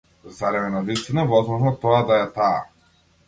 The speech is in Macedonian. Зарем е навистина возможно тоа да е таа?